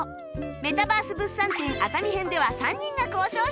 メタバース物産展熱海編では３人が交渉してくれました